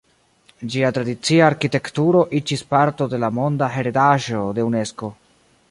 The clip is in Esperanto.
Ĝia tradicia arkitekturo iĝis parto de la Monda heredaĵo de Unesko.